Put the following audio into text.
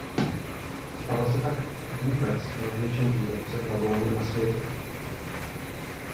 Stala se tak vůbec největším výrobcem vagónů na světě.